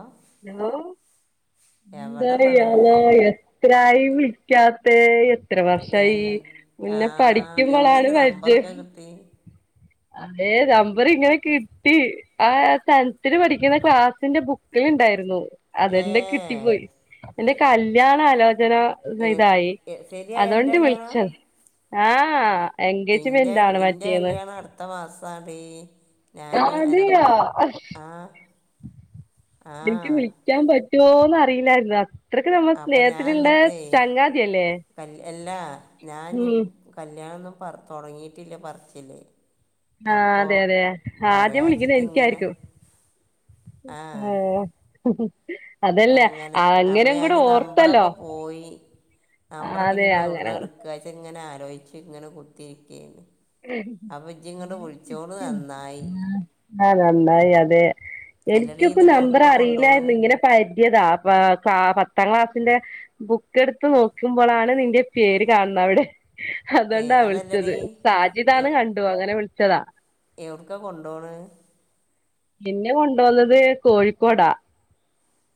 ആഹ്. പറഞ്ഞോളു. മോളെ എന്താല [unintelligible] എത്രായി വിളിക്കാത്തെ. ഇത്ര എൻ വർഷായി മുന്നെ പഠിക്കുമ്പളാണ് പരിചയം. ഡീ അതെ നമ്പർ ഇങ്ങനെ കിട്ടി ആഹ് സഥലത്തിന്പഠിക്ക ക്കുന്ന ക്ലാസ്സിന്റെ ബുക്കില്ണ്ടായിരുന്നു ഏ അതെന്റെ കിട്ടിപ്പോയി. എന്റെ കല്യാണ ആലോചന എ- ഇതായി എ- ശരിയായ എൻ്റെ അതൊണ്ട് കല്യാണം വിളിച്ചത്. ആഹ്. ഇൻറെ എൻഗേജ്മെന്റ് ആണ് ഇന്റെ മറ്റേന്ന് കല്യാണം അടുത്ത മാസാടി. ഞാന് അനോട്പ്പ അതെയോ ആഹ്. എനിക്ക് വിളിക്കാൻ പറ്റുവോന്ന്റിയില്ലായിുന്ന. ഇത്രക്ക് നമ്മള് അപ്പം ഞാൻ സ്നേഹത്തില്ള്ളെ എന്നിട്ടേ ചങ്കാതിയല്ലേ. കല് എല്ലാ ഞാൻ നിം കല്യാണൊന്നും പറ തൊടങ്ങിട്ടില്ല പറച്ചില്. ആഹ് അതെ അതെ ആദ്യം വിളിക്കുന്ന ഇങ്ങനെ എനിക്കായിരിക്കും. ആ ഉം. അങ്ങനെ അപ്പൊ ഞൻ നമ്പറൊക്കെ പോയി. നമ്പറൊക്കെ അതെ ഇനി ഇപ്പ എവിടന്ന അങ്ങനെങ്ങട് ഇട്ക്കാച് ഇങ്ങനെ ആലോയിച്ചുങ്ങനെ കുത്തിരിക്കയ്ന്ന്. അഭിജിങ്ങട് വിളിച്ചോട് നന്നായി. ആഹ് നന്നായി അതെ അല്ലടി എനിക്കൊക്ക്കെ എന്നിട്ട് നമ്പർ എവിടുക്ക കൊണ്ടുപോണ് അറിയില്ലായിരുന്നു ഇങ്ങനെ. പര്തിയതാ പ പ പത്താം ക്ലാസ്സിന്റെ. ബുക്കടുത്ത് നോക്കുമ്പോളാണ് നിന്റെ പേര് കാണുന്നത് അവിടെ ഏ അതുകൊണ്ടാ വിളിച്ചത്. അതല്ലടി സാജിദാന്ന് കണ്ടു അങ്ങനെ വിളിച്ചതാ. എവ്ട്ക്ക കൊണ്ടോണ്? ഇന്നെ കൊണ്ടന്നത് കോഴിക്കോടാ.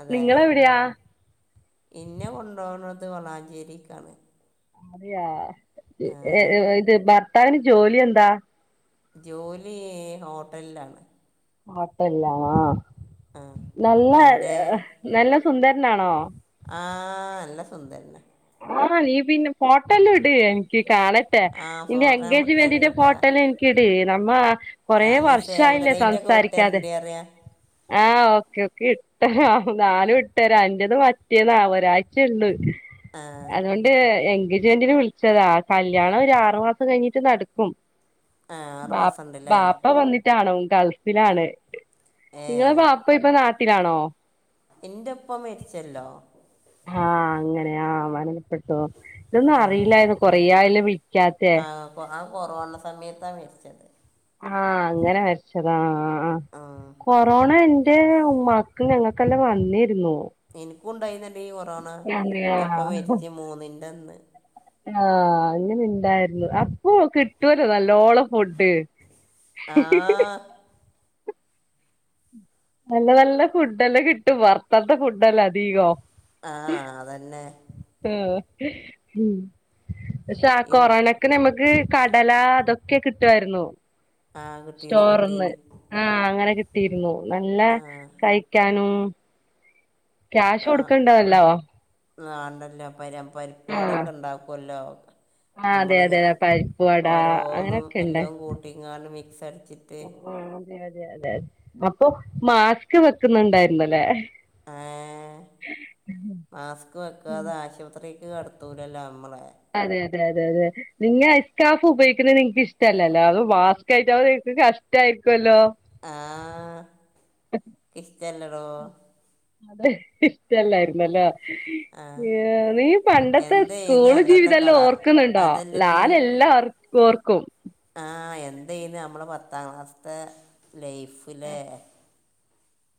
അതെ നിങ്ങളെവിടെയാ ഇന്നെ കൊണ്ടോണത് വളാഞ്ചേരിക്കാണ്. അതെയാ ആ, ഏ ഇത് ഭർത്താവിന് ജോലി എന്താ? ജോലി ഹോട്ടലിലാണ്. ഹോട്ടലിലാണോ ആ നല്ല എൻ്റെ നല്ല സുന്ദരനാണോ? ആഹ് നല്ല സുന്ദരന. ആഹ് നീ പിന്നെ ഫോട്ടല്ല ഇട്. കാണട്ടെ ആ നിന്റെ ഫോട്ടോ ഞാൻ എഗേജ് മെന്റിന്റെ വിട്ടേരണ്ടിട്ടാ ഫോട്ടല്ല എനിക്കിട് നമ്മ കൊറെ ഞാൻ സേവ് ദ വർഷായില്ലേ ഡേറ്റ് ഒക്കെ സംസാരിക്കാതെ വിട്ടുതരണ്ടേ അറിയാ ആഹ് ഓക്കേ ഓക്കേ. ആഹ് ഞാനും വിട്ടേരാ എൻ്റേത് മറ്റേന്നാ ഒരാഴ്ചയള്ളു. ആ അതുകൊണ്ട് എൻഗേജ്മെന്റിന് വിളിച്ചതാ കല്യാണം ഒരാറു മാസം കഴിഞ്ഞിട്ട് നടക്കും. ആ ആറ് ബ മാസം ഉണ്ടല്ലേ ബാപ്പ വന്നി ട്ടാണം ഗൾഫിലാണ് ഏ നിങ്ങള ബാപ്പ ഇപ്പം നാട്ടിലാണോ? ഇന്റെ ഉപ്പ മരിച്ചല്ലോ. ആഹ് അങ്ങനെ ആഹ് മരണ പ്പെട്ടോ ഇതൊന്നും ആ അറിയില്ലായിന്ന് കൊറേയായല്ലോ വിളിക്കാത്തെ. ആഹ് കൊറോണ സമയത്ത മരിച്ചത്. ആഹ് അങ്ങനെ മരിച്ചതാ ആഹ് ആ കൊറോണ എ ന്റെ മക്കൾ ഞങ്ങക്കെല്ലാം വന്നിരുന്നു. ഇനിക്കും ഇണ്ടായി ന്നല്ലോ ഈ അതെയോ കൊറോണന്റെപ്പ മരിച്ച മൂന്നിന്റെ അന്ന്. ആഹ് അങ്ങനെ ഇണ്ടായിരുന്നു അപ്പൊ കിട്ടൊല്ലോ നല്ലോണം. ഫുഡ്. ആ നല്ല നല്ല ഫുഡ്ല്ലാം കിട്ടും വറുത്താത്ത ഫുഡ്ല്ല അധികം. ആഹ് അതന്നെ. ഉം പക്ഷെ ആ ഇന്ന് കൊറോണക്കെ നമുക്ക്. കടല അതൊക്കെ കിട്ടുവാരുന്നു ആ കിട്ടീന്ന് സ്റ്റോറിന്ന്. കിട്ടീന്ന് ആഹ് അങ്ങനെ കിട്ടിയിരുന്നു നല്ല ആ കഴിക്കാനും. ക്യാഷ് കൊടുക്കേണ്ടതല്ലോ ആണ്ടല്ലോ പര പരിപ്പ് ആഹ് വടയൊക്കെ ഉണ്ടാക്കുമല്ലോ ആഹ് അതെ നമ്മള് അതെ പരിപ്പ് വട ഓരോന്നും അങ്ങനെയൊക്കെ ഉണ്ട് എല്ലാം കൂട്ടി ഇങ്ങാണ്ട് മിക്സ് അടച്ചിട്ട് ആ അതെതെതെതെ അപ്പൊ മാസ്ക് വെക്കുന്നുണ്ടായിരുന്നല്ലേ അഹേ മാസ്ക് വെക്കാതെ ആശുപത്രി അകത്തേക്ക് കടുത്തൂലല്ലോ നമ്മള അതെ അതെ അത അതെ നിങ്ങ ഐസ് കാഫ് ഉപയോഗിക്കുന്നത് നിങ്ങൾക്ക് ഇഷ്ടമല്ലല്ലോ അതു മാസ്കായിട്ട് നിങ്ങൾക്ക് കഷ്ടായിരിക്കുല്ലോ ആഹ് ഇഷ്ടല്ലടോ ഇഷ്ടല്ലായിരുന്നല്ലേ ആ ഏ നീ പണ്ടത്തെ എന്തേന്ന് സ്കൂള് അന്നത്തെ ജീവിതം എല്ലാം കല ഓർക്കുന്നുണ്ടോ അതല്ലടി ഞാൻ എല്ലാം ഓർക്കും ആ എന്തയ്ന്ന് നമ്മളെ പത്താം ക്ലാസ്ത്തെ ലൈഫ് ലെ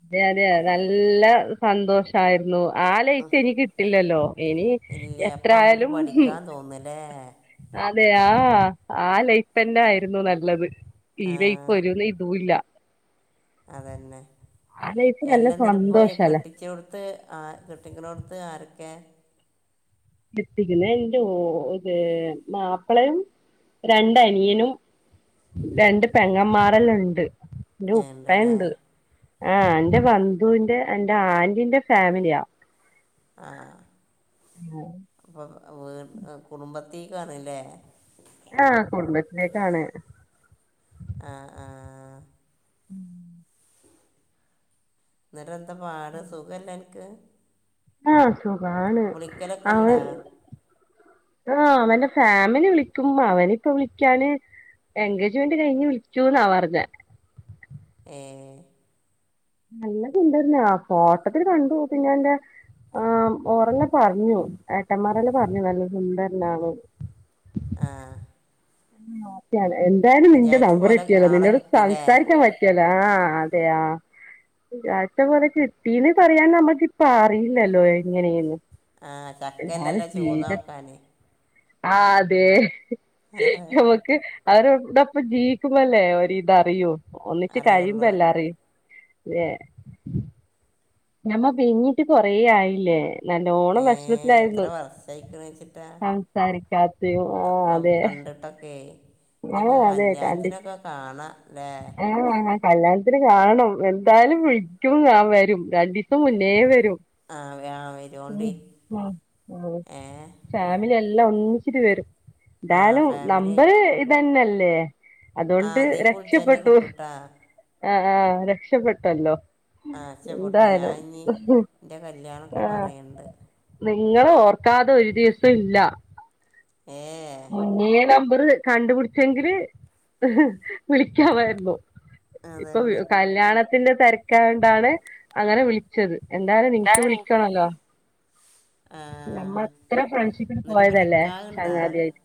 അതെ അതെ നല്ല സന്തോഷയിരുന്നു ആ ലൈറ്റ് എനി കിട്ടില്ലല്ലോ ഇനി ഇല്ല അപ്പം നമുക്ക് എത്രായാലും പഠിക്കാൻ തോന്നില്ലേ അതെ ആ ആ ലൈഫ് തന്നെ ആയിരുന്നു നല്ലത് ഈ ആ ലൈഫ് ഇപ്പം ഒരു ഇതും ഇല്ല അതന്നെ ആ ലൈഫ് നല്ല എല്ലാം എന്നിട്ട പോയ കെട്ടി സന്തോഷല്ലേ കെട്ടിച്ചാടുത്ത് ആ കെട്ടിക്ക്നൊട്ത്ത് ആരൊക്കെ കെട്ടിക്കാണെടുത്തു എന്റെ ഇത് മാപ്പിളയും രണ്ടനിയനും രണ്ട് പെങ്ങമാറല്ലുണ്ട് എന്റെ ഉപ്പ ഉണ്ടല്ലേ ഉണ്ട് ആ എന്റെ ബന്ധുവിന്റെ എന്റെ ആന്റീന്റെ ഫാമിലിയാ ആഹ് ആഹ് അപ്പൊ കുടുംബത്തേക്കണല്ലേ ആഹ് കുടുംബത്തിലേക്കാണ് ആഹ് ആഹ് ഉം എന്തരാ പാട് സുഖല്ല അനിക്ക് ആഹ് സുഖാണ് അവൻ ഉണ്ടോ ആഹ് അവന്റെ ഫാമിലി വിളിക്കും അവനിപ്പ വിളിക്കാന് എൻഗേജ്മെന്റ് കഴിഞ്ഞ് വിളിച്ചുന്നാ പറഞ്ഞ ഏഹ് നല്ല സുന്ദരനാ ഫോട്ടത്തില്ൽ കണ്ടു പിന്നെ എൻ്റെ ആഹ് ഓരല്ല പറഞ്ഞു ഏട്ടന്മാരല്ല പറഞ്ഞു നല്ല സുന്ദരനാണ് ആഹ് ആഹ് ഒക്കാണ് എന്തായാലും നിന്റെ വിചാരിച്ച നമ്പർ പോലെ കിട്ടിയല്ലോ ആളെ നിന്നോട് കിട്ടിയില്ലേ സംസാരിക്കാൻ പറ്റ പറ്റിയല്ലോ ആ അതെയ വിചാഴ്ച്ച പോലെ കിട്ടീന്ന് പറയാൻ നമ്മുക്ക്പ്പ അറിയില്ലല്ലോ അങ്ങനെയ ആ അത് ചക്കല്ലല്ലോ ചൂന്ന ചെയീത നോക്കാൻ ആഹ് അതെ ആഹ് ക്ക് അവരോടപ്പ ജീവിക്കുമ്പോല്ലേ ഒരിതറിയു ഒന്നിച്ച് കഴിയുമ്പോ അറിയുള്ളൂ എല്ലാ അറിയും നമ്മ പിരിഞ്ഞിട്ട് കൊറേ ആയില്ലേ നല്ലോണം ഏ എത്ര വിഷമത്തിലായിരുന്നു വർഷമായിക്കണെന്ന് വെച്ചിട്ടാ സംസാരിക്കാത്തും ആഹ് അതെ എയ് ഇനിപ്പൊ ആഹ് അതെ കണ്ടി കല്യാണത്തിനൊക്കെ കാണല്ലേ ആഹ് കല്യാണത്തിന് കാണണം എന്തായാലും വിളിക്കും ഞാൻ വരും രണ്ടു ദിവസം മുന്നേ വരും ആഹ് ആഹ് വരോണ്ടി ഉം ഉം ഉം ഏ ഫാമിലി എല്ലാം ഒന്നിച്ചു വരും ആ എന്തായാലും ഫാമിലി നമ്പര് ആയിട്ട് ഇതന്നെല്ലേ ആ അതൊണ്ട് അതിൽ വിളിച്ചാൽ എന്നെ രക്ഷപ്പെട്ടു കിട്ടൂട്ടാ ആഹ് രക്ഷപ്പെട്ടല്ലോ ആശ പൊട്ട് ഞാൻ ന്തായാലും ഇനി എൻ്റെ കല്യാണമൊക്കെ ആഹ് പറയുന്നുണ്ട് നിങ്ങളെ ഓർക്കാതെ ഒരു ദിവസംല്ല ഏ നീ നമ്പറ് കണ്ടുപിടിച്ചെങ്കില് വിളിക്കാമായിരുന്നു ഇപ്പൊ അതന്നെ കല്യാണത്തിന്റെ തിരക്കാണ്ടാണ് അങ്ങനെ വിളിച്ചത് എന്തായാലും നിൻക്ക് ഞാന് വിളിക്കണല്ലോ ആ നമ്മളത്ര ഫ്രണ്ട്സ്ഷിപ്പ് എന്നിട്ട് ഇപ്പം പോയതല്ലേ നിക്കാഹുണ്ടാ ചങ്ങാതിയായിട്ട്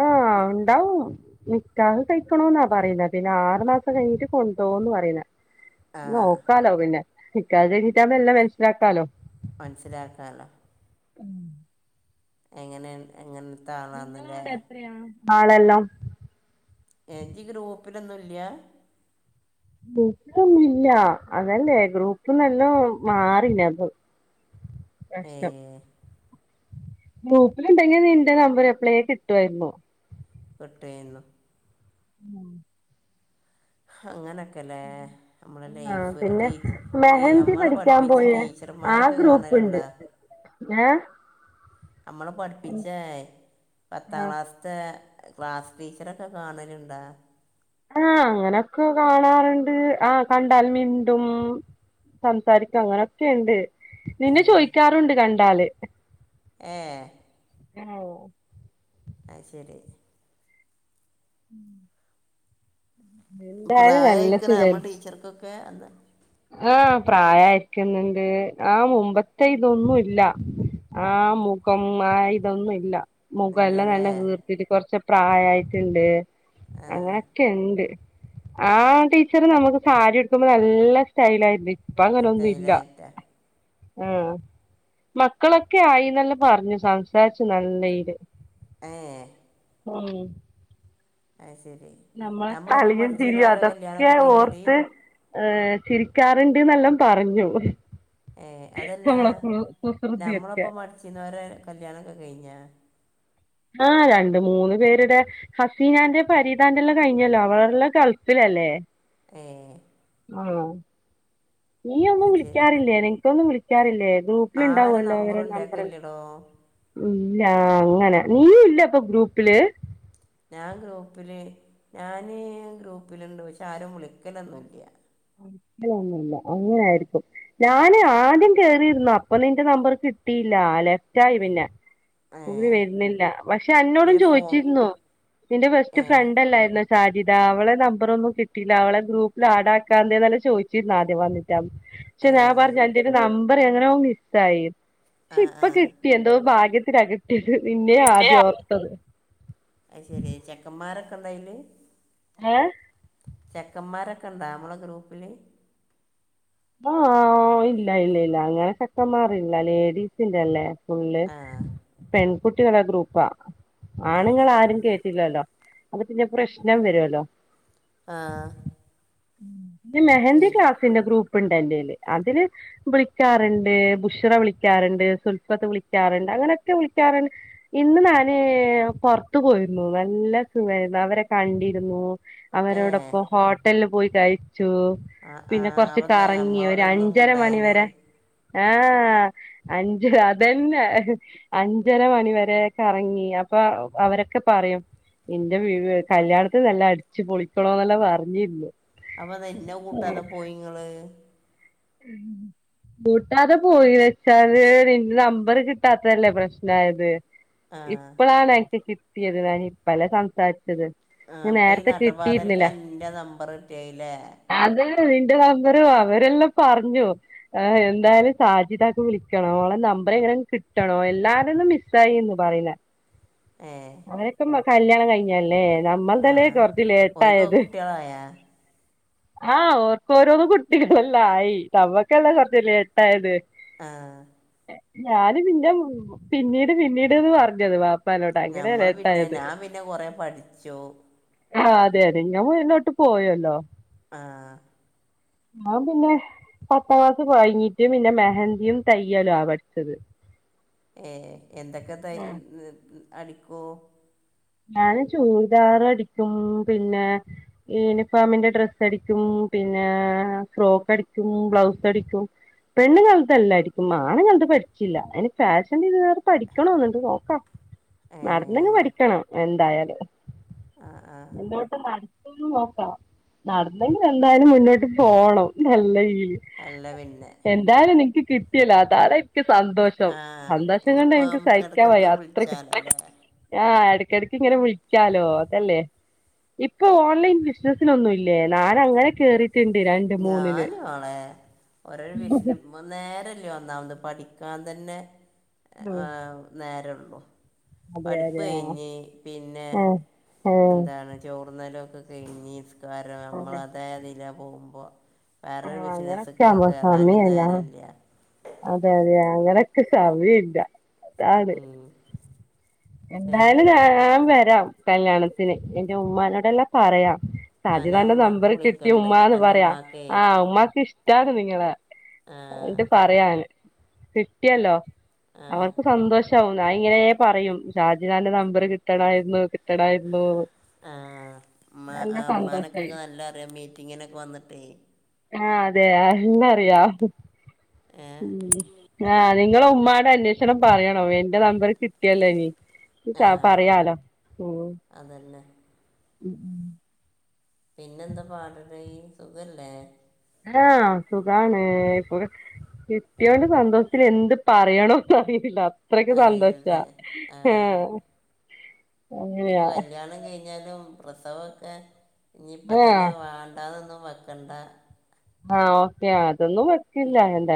ആഹ് ണ്ടാവും നിക്കാഹ് കഴിക്കണോന്നാ പറയുന്നത് പിന്നെ ആറ് മാസം കഴിഞ്ഞിട്ട് കൊണ്ടോവുംന്ന് പറയുന്ന ആ നോക്കാലോ പിന്നെ നിക്കാഹ് കഴിഞ്ഞിട്ടാ മ്പോ എല്ലാം മനസ്സിലാക്കാലോ മൻസ്സിലാക്കല്ലോ എങ്ങനെ എങ്ങനത്തെ ആളാന്നില്ലേ നിങ്ങളവിടെ എത്രയാ ആളെല്ലാം ഏ ഇജ്ജ് ഗ്രൂപ്പിലൊന്നുംല്ല്യാ ഗ്രൂപ്പൊന്നുംല്ലാ അതല്ലേ ഗ്രൂപ്പ്ന്നല്ലാം മാറില്ലത് ഏ പ്രശ്നം ഗ്രൂപ്പിലുണ്ടെങ്കി നീ നിന്റെ നമ്പര് എപ്ലെ കിട്ടുവായിരുന്നു പെട്ടെന്നു ഉം അങ്ങനൊക്കെല്ലേ നമ്മളെ ആ ലൈഫ് പിന്നെ ടീ ടീ മെഹന്തി നമ്മളെ പഠിക്കാൻ പഠിപ്പിച്ച പോയേ ടീ ച്ചർമാരൊക്കെ കാണലുണ്ടാ ഏഹ് നമ്മളെ പഠിപ്പിച്ചേ പത്താം ക്ലാസ്സ് ത്തെ ക്ലാസ് ടീച്ചറെക്കെ കാണല്ണ്ടാ ആഹ് അങ്ങനൊക്കെ കാണാറുണ്ട് ആഹ് കണ്ടാൽ മിണ്ടും സംസാരിക്കും അങ്ങനൊക്കെയുണ്ട് ഏ നിന്നെ ചോയ്ക്കാറുണ്ട് കണ്ടാല് ഏഹ് ഓഹ് അയ്ശെരി എന്തായാലും നല്ല പ്രായയിക്കണോ അമ്മളെ ടീച്ചർക്കൊക്കെ എന്താ ആഹ് പ്രായായിരിക്കുന്നുണ്ട് ആഹ് മുമ്പത്തെ ഇതൊന്നും ഇല്ല ആ മുഖം ആ ഇതൊന്നും ഇല്ല മുഖല്ലാം ഇല്ലല്ലേ നല്ല വീർത്തിട്ട് കൊറച്ച് പ്രായായിട്ടുണ്ട് ആഹ് അങ്ങനെ ട്ട്ണ്ട് ആ ടീച്ചറ് നമ്മക്ക് സാരിയുടുക്കുമ്പോ നല്ല സ്റ്റൈലായിരുന്നു ഇപ് ഇപ്പങ്ങനൊന്നും ഇല്ല സ്റ്റൈലായിട്ടാ ആഹ് മക്കളൊക്കെ ആയിന്നെല്ലാം പറഞ്ഞു സംസാരിച്ചു നല്ല ഈല് ഏഹ് ഉം അയ്ശെരി നമ്മളെ കളിയും ചിരിയും അതൊക്കെ കഴിഞ്ഞെടീ ഓർത്ത് ഏഹ് ചിരിക്കാറുണ്ട്ന്നെല്ലാം പറഞ്ഞു ഏഹ് അതല്ലാ നമ്മളെ കു കുസൃതിയൊക്കെ ഞമ്മളൊപ്പം പടിച്ചിരിന്നോരെ കല്യാണൊക്കെ കെയ്ഞ്ഞാ ആഹ് രണ്ട് മൂന്ന് പേരുടെ ഹസീനാന്റെ പരീതാന്റെല്ലാം കഴിഞ്ഞല്ലോ അവളെല്ലാം ഗൾഫിലല്ലേ ഏഹ് ആഹ് നീയൊന്നും അത് ശരി വിളിക്കാറില്ലേ നിനക്കൊന്നും വിളിക്കാറില്ലേ ഗ്രൂപ്പ് ആരെ പ്പിലിണ്ടാവോല്ലോ അവരെ നമ്പറും നമ്പറ് ഇന്റെക്കില്ലെടോ ഉം ഇല്ല അങ്ങനെ നീയു ഇല്ല ഇപ്പൊ ഗ്രൂപ്പില് ഞാൻ ഗ്രൂപ്പില് ഞാന് ഗ്രൂപ്പിലുണ്ട് പക്ഷെ ആരും വിളിക്കലൊന്നുല്ല [unintelligible] ക്കലൊന്നുല്ല അങ്ങനായിരിക്കും ഞാന് ആദ്യം കേറിരുന്നു അപ്പൊ നിന്റെ നമ്പർ കിട്ടിയില്ല ലഫ്റ്റായി പിന്നെ [unintelligible] ഏഹ് വരുന്നില്ല പക്ഷെ അന്നോടും പിന്നെ ഫോ ചോദിച്ചിരുന്നു നിന്റെ ബെസ്റ്റ് ഏഹ് ഫ്രണ്ട്ല്ലായിരുന്നോ സാജിത അവളെ നമ്പറൊന്നും കിട്ടില്ല അവളെ ഗ്രൂപ്പിൽ ആഡ് ആക്കാന്തേ ചോദിച്ചിരുന്നു ആദ്യം വന്നിറ്റ് അപ് പക്ഷെ ഞാൻ ഏഹ് പറഞ്ഞ് അന്റെന്ന് നമ്പറ് എങ്ങനെയോ മിസ്സായിന്ന് പക്ഷെ ആഹ് ഇപ്പ ആഹ് കിട്ടി എന്തോ ഭാഗ്യത്തിനാ കിട്ടിയത് നിന്നെയാ പിന്നെ ആദ്യം ഓർത്തത് അത് ശരി ചെക്കന്മാരൊക്കെണ്ട അയില് ഏഹ് ചെക്കന്മാരൊക്കെ ഇണ്ട നമ്മളെ ഗ്രൂപ്പില് ആഹ് ഇല്ല ഇല്ല ഇല്ല അങ്ങനെ ചെക്കന്മാറില്ല ലേഡീസിന്റെ അല്ലേ ഫുള്ള് ആഹ് പെൺകുട്ടികളെ ഗ്രൂപ്പാ അത് ശരി ആണുങ്ങളാരും കേറ്റില്ലല്ലോ അപ്പ പിന്നെ പ്രശ്നം വരുവല്ലോ ആഹ് മെഹന്തി ശരി ക്ലാസിന്റെ ഗ്രൂപ്പ് ഉണ്ട് എന്റെല് അതില് വിളിക്കാറുണ്ട് ബുഷറ വിളിക്കാറ്ണ്ട് സുൽഫത്ത് വിളിക്കാറ്ണ്ട് അങ്ങനെയൊക്കെ വിളിക്കാറ്ണ്ട് ഇന്ന് ഞാറ് പൊറത്തു പോയിരുന്നു നല്ല സുഖായിരുന്നു അവരെ കണ്ടിരുന്നു ഏഹ് അവരോടൊപ്പം ഹോട്ടലില് പോയി കഴിച്ചു ആഹ് പിന്നെ ആഹ് അവ കൊറച്ച് കറങ്ങി ഒരു അഞ്ചര മണിവരെ ആഹ് അഞ്ചു അതന്നെ അഞ്ചര മണിവരെ കറങ്ങി അപ്പൊ അപ്പൊ അവരൊക്കെ പറയും എന്റെ വീട് കല്യാണത്തിന് എല്ലാം അടിച്ചുപൊളിക്കണം എന്നെല്ലാം പറഞ്ഞിരുന്നു. അവന് എന്നെ കൂട്ടാതെ പോയി ഇങ്ങളെ. ഉം കൂട്ടാതെ പോയി വെച്ചാല് നിന്റെ നമ്പർ കിട്ടാത്തല്ലേ പ്രശ്നമായത്. ആഹ് ഇപ്പഴാണ് എനിക്ക് കിട്ടിയത് ഞാൻ ഇപ്പല്ല സംസാരിച്ചത്. ആഹ് ഇപ്പൊ ഈ നേരത്തെ കിട്ടിയിരുന്നില്ല നട്ടപ്പാതിരായ്ക്ക് എന്റെ നമ്പർ കിട്ടിയല്ലേ. അത് നിന്റെ നമ്പറും അവരെല്ലാം പറഞ്ഞു. ആഹ് എന്തായാലും സാജിദായ്ക്ക് വിളിക്കണം, ഓളെ നമ്പർ എങ്ങനെ കിട്ടണം എല്ലാരിലും മിസ്. മിസ് ആയിന്ന് പറയുന്ന. ഏഹ് അങ്ങനെയൊക്കെ കല്യാണം കഴിഞ്ഞല്ല, നമ്മുടെതല്ലേ ആഹ് കൊറച്ച് ഓര്ക്കൊക്കെ ലേറ്റായിത്. കുട്ട്യാളായാ ആഹ് ഓരെക്ക് ഓരോന്നോ കുട്ടികളെ. ആയി നമുക്കല്ലേ കൊറച്ച് ലേറ്റ് ആയത്. ആഹ് ഞാന് പിന്നെ പിന്നീട് പിന്നീടുന്ന് പറഞ്ഞത്. വാപ്പാനോട് അങ്ങനെ നമ്മൾ പിന്നെ ലേട്ടായത് ഞാൻ പിന്നെ കൊറെ പഠിച്ചു. ആഹ് അതെ അതെ ഞാൻ മുന്നോട്ട് പോയല്ലോ. ആഹ് അപ്പം പിന്നെ പത്താം ക്ലാസ് കൊഴഞ്ഞിട്ടും പിന്നെ മെഹന്തിയും തയ്യലോ ആഹ് പഠിച്ചത്. ഏഹ് എന്തൊക്കെ തയ്യ ഏഹ് അടിക്കും. ഞാന് ചൂരിദാറ് അടിക്കും പിന്നെ. യൂണിഫോമിന്റെ ഡ്രസ്സ് അടിക്കും, പിന്നെ ഫ്രോക്ക് അടിക്കും ബ്ലൗസ് അടിക്കും. പെണ്ണുങ്ങളുടെ എല്ലാം അടിക്കും, ആണുക്കളുടെ പറ്റില്ല, അയിന് ഫാഷൻ ചുരിദാർ. പഠിക്കണമൊന്ന് ഉണ്ട്, നോക്കാം ഏ നടന്ന് അങ്ങ് പഠിക്കണം എന്തായാലും. ആ ആ ഇങ്ങോട്ടും വാ. ഇത് നോക്കാം, നടന്നെങ്കിൽ എന്തായാലും മുന്നോട്ട് പോണം നല്ല വീട്. അല്ലേ പിന്നെ എന്തായാലും എനിക്ക് കിട്ടിയല്ലോ, അതാണ് എനിക്ക് സന്തോഷം. ആ ഷം സന്തോഷം കൊണ്ട് ഇനിയിപ്പോൾ എനിക്ക് നമുക്ക് സഹിക്കാൻ ഇടയ്ക്കിടയ്ക്ക് വയ്യ അത്രയ്ക്കും. വിളിച്ചാലോ അല്ലേ ഇടയ്ക്ക് ഇങ്ങനെ വിളിക്കാലോ, അതല്ലേ. ഇപ്പൊ ഓൺലൈൻ ബിസിനസിന് ഒന്നുമില്ലേ, ഞാൻ അങ്ങനെ കേറി. ഉണ്ട് ര ഞാൻ ഇവിടെ ഓരോ വിഷയം ഇടും. വന്ന് നേരല്ലേ ഒന്നാമത് പഠിക്കാൻ തന്നെ ഉം ഏഹ് നേരയുള്ളൂ. അതെ പഠിപ്പ് അതെ ആ കഴിഞ്ഞ് പിന്നെ ആ എന്താണ്. ചോറുണ്ണല് ഒക്കെ കഴിഞ്ഞ നിസ്കാരം അതെ നമ്മുടേത് നില പോകുമ്പോ. ആ വേറൊരു അങ്ങനൊക്കെ ബിസിനസിക്ക് കയറാനും നേരമില്ല. അതെതെ അങ്ങനെ ഒക്കെ സമയം ഇല്ല അതാണ്. ഉം. ഏ എന്തായാലും ഞാൻ വരാം, കല്യാണത്തിന് എന്റെ ഉമ്മാനോട് എല്ലാം പറയാം. ആ ഞാൻ സാജിദാന്റെ ഉമ്മാക്ക് നമ്പർ കിട്ടി വിളിക്കുന്നുണ്ട് ഉമ്മാന്ന് എൻ്റെ പറയാം, ഉമ്മാക്കേ ആഹ് ഉമ്മാക്ക് ഇഷ്ടാണ് നിങ്ങള്. ആ, എന്നിട്ട് പറയാം. കിട്ടിയല്ലോ, ആ, അവർക്ക് സന്തോഷം ആവുന്ന ആഹ് ഇങ്ങനെ പറയും. സാജിദാന്റെ നമ്പറ് കിട്ടണവായിരുന്നു. ആഹ് ഉമ്മ നല്ല ഉമ്മനൊക്കെ സന്തോഷായി നല്ല അറിയാം, മീറ്റിങ്ങിനൊക്കെ വന്നിട്ടേ. ആഹ് അതെ എന്നെ അറിയാം ഏ ഉം ആഹ്. നിങ്ങള് ഉമ്മാടെ അന്വേഷണം പറയണം, എന്റെ നമ്പർ കിട്ടിയാലോ ഇനി. ഇനി സ പറയാലോ ഉം. അതെന്നെ ഉം പിന്നെന്താ പാട് ടീ സുഖല്ലേ ആഹ് സുഖാണ് ഇപ്പൊ കെട്ട്യോന്റെ സന്തോഷ്ത്തിന് എന്ത് പറയണോന്ന് അറീല്ല അത്രക്ക് സന്തോഷാ അറിയില്ലേ ഹം ഇഞിപ്പൊ കല്യാണം കയ്ഞ്ഞാലും പ്രസവൊക്കെ ഇഞിപ്പ തന്നെ ആഹ് വാൺ ണ്ടാന്നൊന്നും വെക്കണ്ട ആഹ് ഓക്കെ അതൊന്നും വക്കില്ല എ